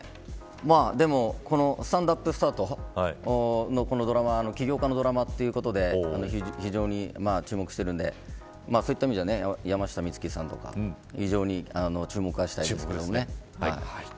でも、このスタンドＵＰスタート起業家のドラマということで非常に注目しているのでそういった意味では山下美月さんとか非常に注目したいですね。